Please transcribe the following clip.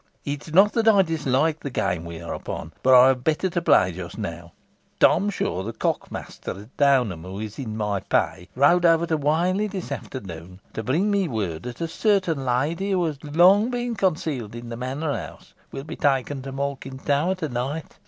It is not that I dislike the game we are upon, but I have better to play just now. Tom Shaw, the cock master at Downham, who is in my pay, rode over to Whalley this afternoon, to bring me word that a certain lady, who has long been concealed in the Manor house, will be taken to Malkin Tower to night.